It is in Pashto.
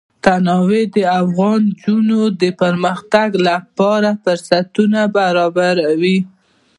تنوع د افغان نجونو د پرمختګ لپاره فرصتونه برابروي.